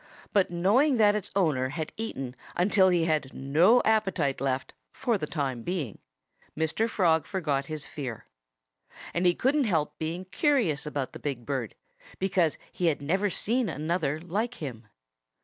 But knowing that its owner had eaten until he had no appetite left for the time being, Mr. Frog forgot his fear. And he couldn't help being curious about the big bird, because he had never seen another like him.